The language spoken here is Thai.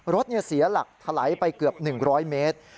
รถเสียหลักถลายไปเกือบ๑๐๐เมตร